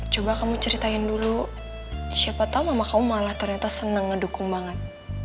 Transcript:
coba kamu ceritain dulu siapa tahu mama kamu malah ternyata senang ngedukung banget